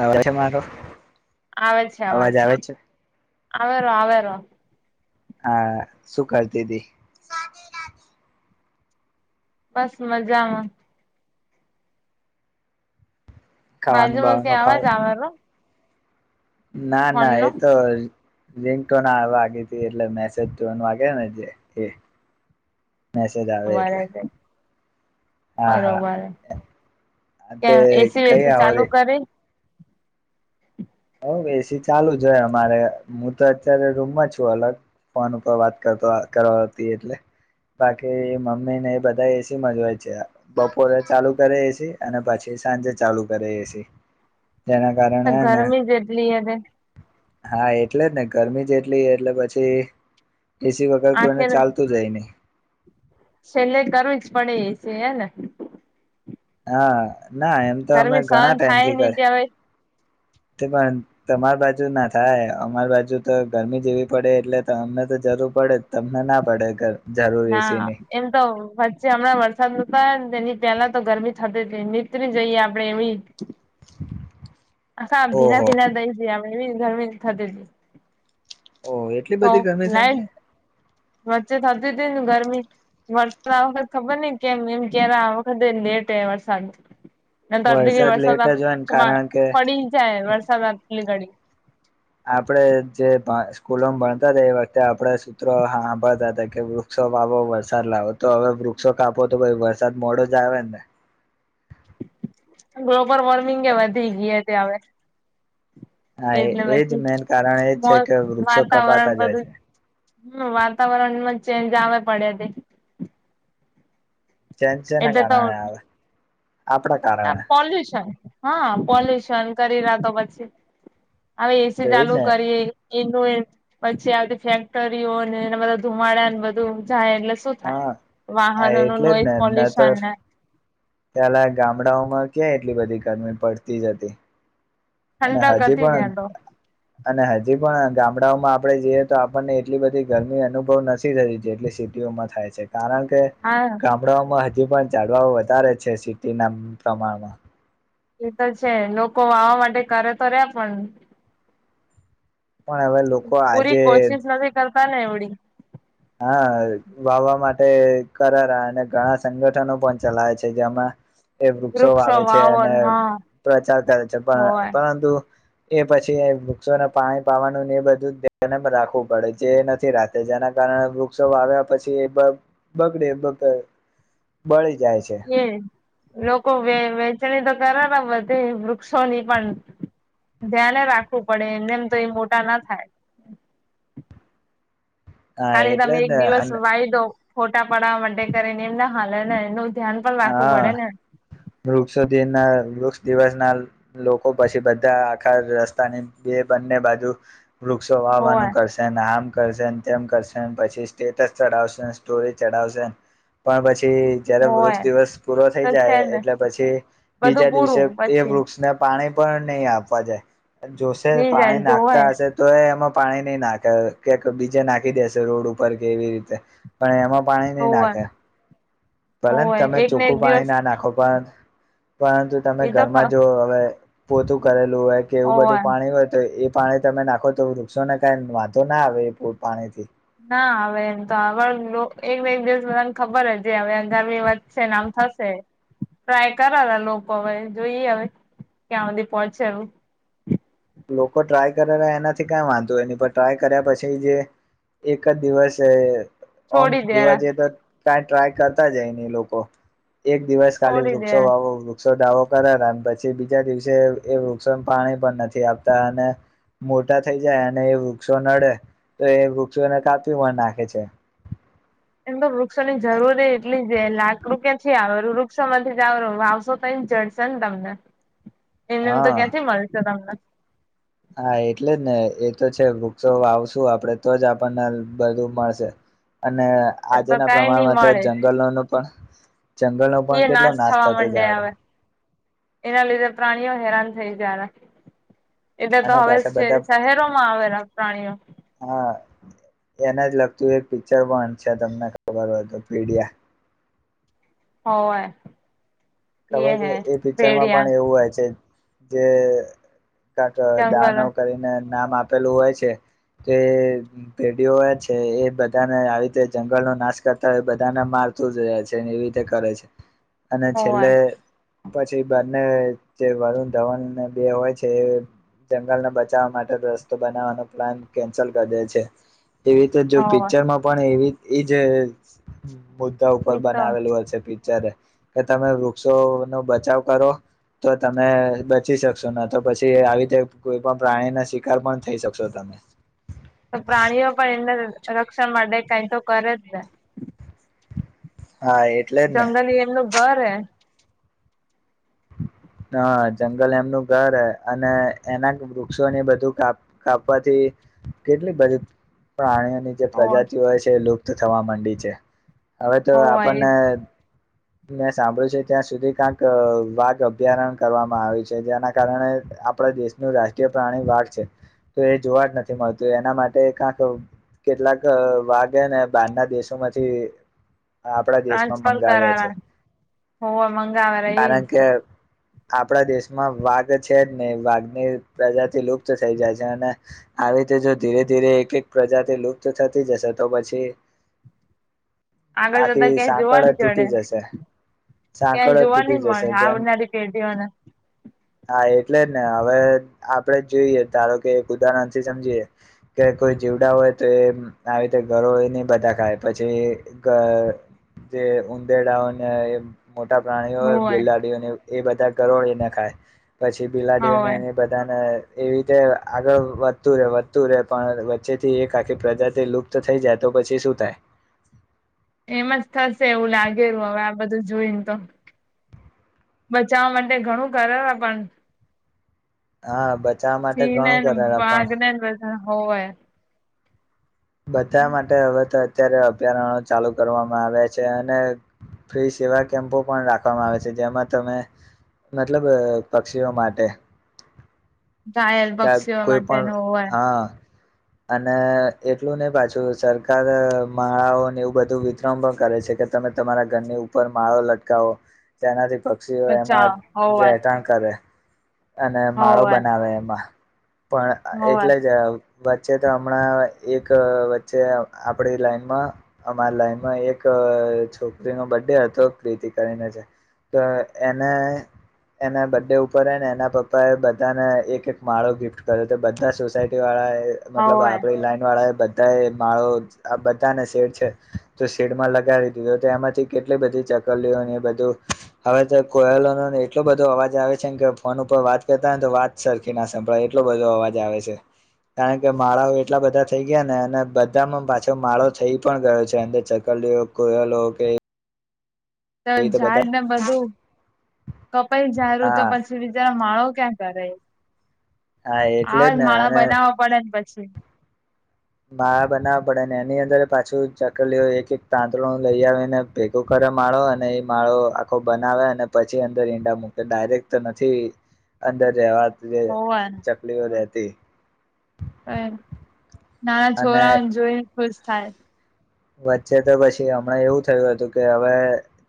આવે છે મારો આવે છે આવે છે આવેરો આવેરો હા શું કરતી હતી બસ મજામાં ખાવાનું બાજુમાં બાવાનું ત્યાં ખાવ આવાજ આવેલો ના ના એ તો લિંક તો ના વાગી હતી એટલે મેસેજ તો વાગે ને જે એ મેસેજ આવે બરોબર એટલે છે હા હા બરોબર તે ક્યા એસી કઈ વેસી આવો રે ચાલુ કરી હવ એસી ચાલુ જ હોય અમારે હું તો અત્યારે રૂમમાં છું અલગ ફોન ઉપર વાત કરુ છુ કરવાતી એટલે બાકી મમ્મી ને એ બધા એસી માજ હોય છે બપોરે ચાલુ કરે એસી અને પછી સાંજે ચાલુ કરે એસી [inaudible] જેના કારણે હેને લે હવે હા એટલે જ ને ગરમી જેટલી એટલે પછી એસી વગર કોઈને આખેર ચાલતું જ એ નહી છેલ્લે કરવુ જ પડે એસી એને હા ના એમ તો અમે ઘણા સહન થાય ટાઈમથી કર ની તે હવે તે પણ તમાર બાજુ ના થાય અમાર બાજુ તો ગરમી જેવી પડે એટલે તો અમને તો જરૂર પડે તમને ના પડેગ ના એમ તો વચ્ચે હમણાં વરસાદનું તેની પેલા તો ગરમી થતી હતી નીતી જઈએ આપડે એવી [inaudible] હામ ભીના ઓહો ભીના ધઈ જઈમ એવીને ગરમી થતી હતી. ઓહ એટલી બધી ગરમી થતી. વચ્ચે થતી હતી ને ગરમી વરસાદ આ વખત ખબર નઈ કેમ એમ ક્યારે આ વખતે. જે તે વરસાદ. નર અધી વરસાદ લેટ જ હોય ને વરસાદમાં કારણ કે પડી જાય વરસાદતલી ઘડી. આપડે જે સ્કૂલો ભણતા હતા એ વખતે આપડે સૂત્રો સાંભળતા હતા કે વૃક્ષ. વાવો વરસાદ લાવો તો હવે વૃક્ષો કાપો તો ભાઈ વરસાદ મોડો જ આવે ને ગ્લોબલ વોર્મિંગ એ વધી ગઈ હતી હવે. હા એ એટલે એજ પછી મેન કારણ એ છે કે વૃક્ષો વાતાવરણ કપાતા જાય બધું. છે હમ્મ વાતાવરણમાં ચેન્જ આવે પડે હતી. ચેન્જ સેના કરનાણે આવે. આપડા કારણે પોલ્યુશન હા પોલ્યુશન કરી રહ્યાતો પછી. હવે તો એસી એજ ચાલુ ને કરીએ. એનું પછી આવતી ફેક્ટરીઓને એના બધા ધુમાડાને બધું. જાય એટલે શું થાય, હા આ વાહનો ન નોઈઝ પોલ્યુશન ને. ત્યાલા ગામડાઓમાં ક્યા એટલી બધી ગરમી પડતી જ હતી. અને ઠંડક હજી હતી પણ ત્યાં તો અને હજી પણ. ગામડાઓમાં આપડે જઈએ તો આપણને એટલી બધી ગરમી અનુભવ નથી થતી જેટલી સિટીઓમાં થાય છે. કારણ કે હા ગામડાઓમાં હજી પણ. જાડવા વધારે છે સિટી ના પ્રમાણમાં. એ તો છે લોકો વાવા માટે કરે તો રે પણ. પણ હવે લોકો આજે પૂરી કોશિશ નથી કરતા ને એવડી. હા વાવા માટે કરાર અને ઘણા સંગઠનો પણ ચલાય છે જેમાં. એ વૃક્ષો આવે છે વાવો અને હા પ્રચાર કરે છે પણ હોય પરંતુ. એ પછી એ વૃક્ષોને પાણી પાવાનુંને એ બધું ધ રાખવું પડે જે નથી રાખત જેના. કારણ વૃક્ષો આવ્યા પછી એ બ બગડે બ બળે. એ લોકો વેચ ચણી તો કર બધ વૃક્ષોની પણ. ધ્યાને રાખવું પડે એને એમ તો એ મોટા ના થાય. હા ખાલી એટલે તમે એક જ ને દિવસ વાય દો ફોટા પડવા માટે કરીને એમને હા ને એનું. ધ્યાન પણ રાખવું હા પડે ને વૃક્ષો ના વૃક્ષ દિવસના લોકો પછી બધા આખા રસ્તાની બે બંને બાજુ. વૃક્ષો હોવે વાવવાનું કરશે અને આમ. કરશે તેમ કરશે પછી સ્ટેટસ ચડાવશે, સ્ટોરી ચડાવશે પણ પછી થી જયારે હોવે વૃક્ષ દિવસ પૂરો થઈ તો છે જાય જ ને એટલે પછી બધું બીજા દિવસે પૂરું એ પછી વૃક્ષને પાણી. પણ નહી આપવા જાય, જોશે ની જાય પાણી જોવે નાખતા હશે તો એ એમાં. પાણી નહી નાખે કે બીજે નાખી દેશે રોડ ઉપર કે એવી રીતે પણ એમાં. પાણી નહી હોવે નાખે. ભલન હોવે તમે એક ને એક ચોખ્ખું દિવસ પાણી ના નાખો પણ. પરંતુ તમે એ તો ઘરમાં ખ જો હવે પોતું કરેલ તું હોય કે એવું હોવે બધું પાણી હોય તો એ પાણી તમે નાખો. તો વૃક્ષોને કાઈ વાંધો ના આવે એ પાણી થી. ના હવે એમ તો આ એક એક દિવસ બધાને ખબર જ હવે અંગારી વધશે ને આમ. થશે. ટ્રાય કરલા લોકો હવે જોઈએ હવે ક્યાં સુધી પહોચે. લોકો ટ્રાય કરેલા એનાથી કઈ વાંધો હો ન પણ ટ્રાય કર્યા પછી જે. એક જ દિવસ એ. ઓમ છોડી જોવા દેરા જઈએ તો કઈ ટ્રાય કરતા જાય ને લોકો. એક દિવસ કાલી છોડી વૃક્ષો દેરા વાવો વૃક્ષ વૃક્ષો દાવો કરાલા અને પછી બીજા દિવસે એ, વૃક્ષોને પાણી પણ નથી આપતા અને મોટા થઈ જાય અને એ વૃક્ષો નડે તો એ વૃક્ષોને કાપી મ નાખે છે. [unintelligible] એમ તો વૃક્ષોની જરૂર એટલી જ લાખ રૂપિયા થી આવેું વૃક્ષોમાંથી જ આવે વાવશો તોઈ ચડશે ને તમને નેમ તો હા ક્યાંથી મળશે તમને હા, એટલે જ ને એ તો છે, વૃક્ષો આવશું આપણેે તો જ આપણને બધું મળશે. અને એ તો આજેના કઈ નઈ પ્રમાણમાં તો મળે જંગલોનું પણ જંગલનો પણ એ કેટલો નાશ થવા થતો માંડે જાય આવે, રહ્યો એના લીધે પ્રાણીઓ હેરાન થઈ ગ એલે તો અને હવે પાછા છે. બધા શહેરોમાં આવેલા પ્રાણીઓ હા. એને જ લગતું એક પિક્ચર પણ છે, તમને ખબર હોય તો પીડિયા. હોય. ખબર છે, એ પિક્ચરમાં પણ એવું હોય છે. જે કક જંગલ દનોવ કરીને નામ આપેલું હોય છે. કે ભેડીઓ છે, એ બધાને આવી રીતે જંગલનો નાશ કરતા હોય બધાના મારી તું જ છે ને એવી રીતે કરે છે. [inaudible] એટલે પછી બંને જે વરુણ ધવનને બે હોય છે. એ જંગલને બચાવવા માટે રસ્તો બનાવવાનો પ્લાન કેન્સલ કરે દેઈ છે. એવી રીતે જો હોવે પિક્ચરમાં પણ એવી એજ મુદ્દા ઉપર એ તો બનાવેલું હોય છે પિક્ચર એ તમે વૃક્ષો નો બચાવ કરો? તો તમે બચી શકશો ને તો, પછી આવી રીતે કોઈ પણ પ્રાણી ના શિકાર પણ થઈ શકશો. તમે [inaudible] તો પ્રાણીઓ પણ એના રક્ષણ માટે કઈ તો કરે જ ને હા, એટલે જ ને કરે હ, જંગલ એમનું ઘર હ અને એના વૃક્ષોને બધું કાપવાથી કેટલી બંધી પ્રાણી ની જે હોવે પ્રજાતિઓ હોય છે, એ લુપ્ત થવા માંડી છે. હવે તો હોવે એ આપણને મેં સાંભળ્યું છે, ત્યાં સુધી ક્યાંક વાઘ અભ્યારણ કરવામાં આવી છે જેના કારણે આપણા દેશનું રાષ્ટ્રીય પ્રાણી વાઘ છે. તો એ જોવા જ નથી મળતું એના માટે કાંતો કેટલાક વાઘે ને બારના દેશોમાંથી આપણા દેશમાં ટ્રાન્સફર મંગાવ્યા છે, કરારા હોવે મંગાવે રે ઈજ કારણ કે આપણા દેશમાં વાઘ છે જ ને વાઘની પ્રજાથી લુપ્ત થઈ જાય છે, અને આવી રીતે જો ધીરે ધીરે એક એક પ્રજાથી લુપ્ત થતી જશે. તો પછી આગળ જતા આખી ક્યા જોવા સાંકળ જ નહી તૂટી મળે જશે ક્યાંય સાંકળ જ જોવા નઈ તૂટી મળે જશે જેમ આવનારી પેઢીઓને. હા, એટલે જ ને હવે આપડે જોઈએ ધારો એક ઉદાહરણથી સમજીએે કે કોઈ જીવડા હોય, તો એ આવી રીતે ઘરોડી એ બંધા ખાય બછી જે ઉદેડાંઓને એ મોટા પ્રાણીઓ હોવે બિલાડીઓને એ બધા ઘરોળીને ખાય પછી બિલાડીયોને હોવે એ બધાને એવી રીતે આગળ વધતું રે વધતું રે પણ વચ્ચે થી એક આખી પ્રજાથી લુપ્ત થઈ જાય, તો પછી શું થાય. એમાંજ થશે એવું લાગેું હવે આ બધું જોઈને તો બચાવવા માટે ઘણું કરે પણ હા બચાવવા માટે સિંહ ઘણું ના કરાર પણ વાઘને બધા હોય. બધા માટે હવે તો અત્યારે અભયારણ ચાલુ કરવામાં આવ્યા છે અને ફ્રી સેવા કેમ્પો પણ રાખવામાં આવે છે. જેમાં તમે મતલબ પક્ષીઓ માટે. ઘાયલ પક્ષીઓ કોઈ પણ માટેનો હોય. હા અને એટલું નહી પાછું સરકાર માળાઓને એવું બધું વિતરણ પણ કરે છે. કે તમે તમારા ઘરની ઉપર માળો લટકાવો તેનાથી પક્ષીઓ બચાવ એમાં હોવે રહેઠાણ કરે અને માળો હોવે બનાવે એમાં. પણ હોવે એટલે જ અ વચ્ચે તો હમણાં એક વચ્ચે આપડી લાઈનમાં અમારી લાઈનમાં એક છોકરીનો બડે હતો કીતી કરીને છે તો એને એના બડે ઉપર ને એના પપ્પા એ બધાને એક એક માળો ગિફ્ટ કર્યો તો બધા સોસાયટી વાળા એ મતલબ હોવે આપડી લાઈન વાળા એ બ માળો આ બધાને શેડ છે. તો શેડમાં લગાવી દીધું એમાંથી કેટલી બધી એ બધું હવે તો કોયેલોનો એટલો બધો અવાજ આવે છેને કે ફોન ઉપર વાત કરતા તો વાત સરખી ના સંભળાય એટલો બધો અવાજ આવે છે. કારણ કે માળાઓ એટલા બધા થઈ ગયા ને અને બધામાં પાછો માળો થઈ પણ ગયો છે અંદર ચકલીઓ કે કોયેલોઓ કે તો એવી રીતે બધા ઝાડ ને બધું કપાઈ ઝારું તો હા પછી બીચારો માળો એ તો ક્યાં જ કરે. હા એટલે આવા જ ને માળા અને બનાવવા પડેને પછી. માળા બનાવવા પડે ને એની અંદર પાછું ચકલી એક-એક તાંતળું લઈ આવીને ભેગું કર તા માળો અને એ માળો આખો બનાવે, અને પછી અંદર ઈંડા મૂકે. ડાયરેક્ટ તો નથી અંદર રહેવા જે હોવે ચકલીઓ રહેતી. અને નાના અને છોરાઓને જોઈને ખુશ થાય. વચ્ચે તો પછી હમણાં એવું થયું હતું કે હવે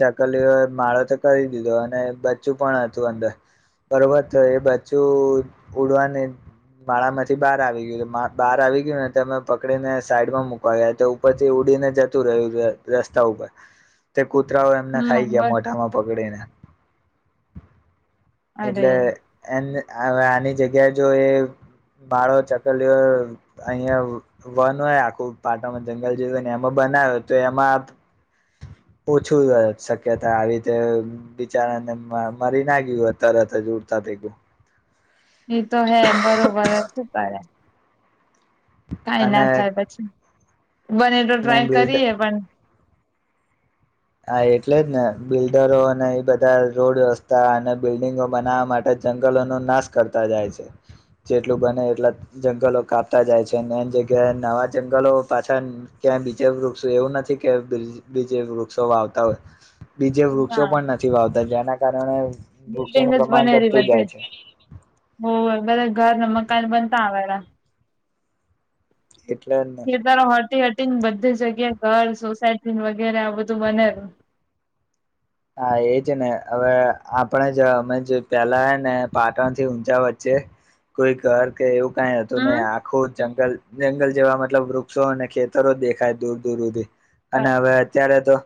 ચકલીઓ માળો તો કરી દીધો અને બચ્ચું પણ હતું અંદર, બરોબર? તો એ બચ્ચું ઉડવાની માળા માંથી બહાર આવી ગયું, બહાર આવી ગયું ને અમે પકડીને સાઈડ માં મુકવા ગયા તો ઉપર ઉડીને જતું રહ્યું છે રસ્તા ઉપર કૂતરાઓ એમને હમ ખાઈ ગયા બર મોઢામાં પકડેને અરે એટલે એન આની જગ્યાએ જો એ બાળો ચકલી અહિયાં વન હોય, આખું પાટામાં જમે ને એમાં બનાવ્યો તો એમાં [unintelligible] ઓછું શક્યતા આવી રીતે બિચારાને મરી ના ગયું હોય, તરત જ ઉડતા ભેગું. એ તો હે એમ બરોબર જ કરે. કંઈ અને ના થાય પછી બને તો ટ્રાય બિલ્ડ કરીએ, પણ હા, એટલે જ ને બિલ્ડરો અને એ બધા રોડ વ્યવસ્થા અને બિલ્ડીગો બનાવવા માટે જંગલો નો નાશ કરતા જાય છે, જેટલું બને એટલા જંગલો કાપતા જાય છે નવા જંગલો પાછળ ક્યાં બીજે વૃક્ષ? એવું નથી કે બીજે બીજે વૃક્ષ વૃક્ષો વાવતા હોય, બીજે વૃક્ષો ના પણ નથી વાવતા. જેના કારણે બિલ્ડિંગ વૃક્ષોનું જ પ્રમાણ બને રે ઘટતું બધે જાય છે હોવે બધા ઘર ના મકાન બનતા આવેરા. એટલે [unintelligible] બધી જગ્યા ઘર, સોસાયટી વગેરે આ બધું બનેરુ. હા એ જ ને. હવે આપણે જ, અમે પેલા ને પાટણ થી ઊંજા વચ્ચે કોઈ ઘર કે એવું કંઈ હતું હમ નઈ, આખું જંગલ જંગલ જેવા, મતલબ વૃક્ષો અને ખેતરો દેખાય દૂર દૂર હુધી અને હવે અત્યારે તો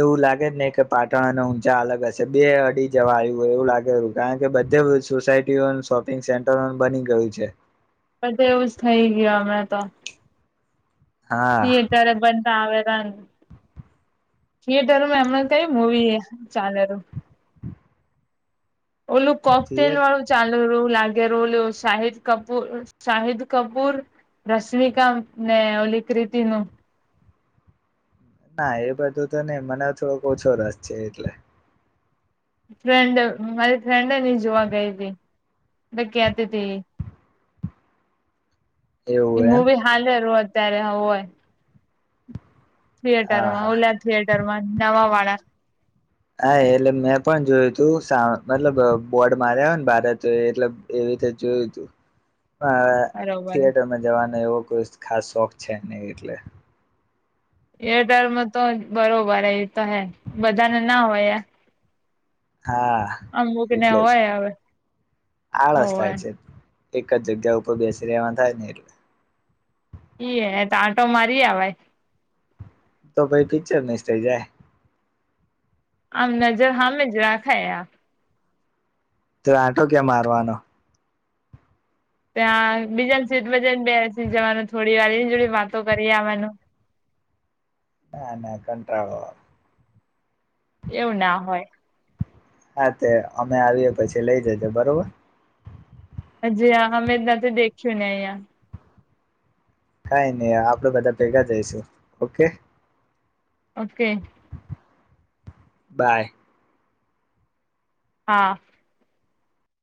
એવું લાગે જ ને કે પાટણ અને ઊંચા અલગ હશે, બે અડી જવા આવ્યું હોય એવું લાગેરુ. કારણ કે બધી સોસાયટીઓ શોપિંગ સેન્ટર બની ગયું છે. બધે જ એવું થઈ ગયું હમણાં તો હા ઈ અત્યારે બનતા આવે થિયેટરોમાં એમાં કંઈ મૂવી ચાલેલું. ઓલું કોકટેલ થિયેટ વાળું ચાલી રયુ લાગે. રોલ્યો શાહિદ કપૂર, શાહિદ કપૂર રશ્મિકાને ઓલિ ક્રિતીનું. ના એ બધું તો નઈ મને થોડોક ઓછો રસ છે એટલે. ફ્રેન્ડ મારી ફ્રેન્ડ હેન ઈ જોવા ગઈ તી. તે કેતી તી. એ એવું એમ મુવી હાલેરું અત્યારે હોવે. હા થિયેટરમાં હા ઓલા થિયેટરમાં નવા વાળા. હા, એટલે મેં પણ જોયું તું સા મતલબ બોર્ડ માર્યા હોય ન બાર તે એટલે એટલે જોયું તું. અ બરોબર થિયેટરમાં જવાનો એવો કોઈ ખાસ શોખ છે નઈ એટલે. થિયેટરમાં તો બરોબર એ તો હે બધાને ના હોય એ હા, એટલે જ હોય હવે આળસ થાય હોય છે. એક જ જગ્યા ઉપર બેસી રહેવાન થાય ને એટલે. ઈએ એતો આંટો મારી આવાય. તો ભાઈ પિક્ચર મિસ થઈ જાય. આમ નજર હામે જ રાખાય આ ત્યાં આટો ક્યા મારવાનો? ત્યા બીજા ન સીટમાં જઈન બેસ સી જવાનું થોડીવાર. ઈન જોડે વાતો કરી આવાનું. ના, ના કંટાળો આવે. એવું ના હોય. હા, તે અમે આવીએ પછી લઈ જજો બરોબર? હજી અ અમે જ નથી દેખ્યું ને અહીયા. કઈ નઈ આપડે બધા ભેગા જઈશું. ઓકે. ઓકે. બાય. હા.